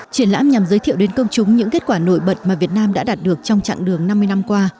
triển lãm nhằm giới thiệu đến công chúng những kết quả nổi bật mà việt nam đã đạt được trong chặng đường năm mươi năm qua